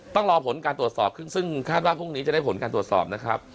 ต้องรอผลการตรวจสอบซึ่งคาดว่าพรุ่งนี้จะได้ผลการตรวจสอบนะครับ